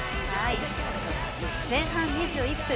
前半２１分。